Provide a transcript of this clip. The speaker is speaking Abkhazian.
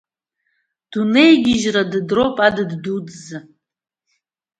Дунеигьежьра дыдроуп адыд дуӡӡа!